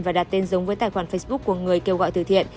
và đặt tên giống với tài khoản facebook của người kêu gọi từ thiện